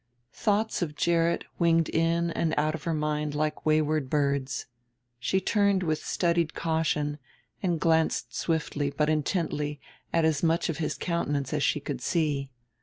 Thoughts of Gerrit winged in and out of her mind like wayward birds. She turned with studied caution and glanced swiftly but intently at as much of his countenance as she could see.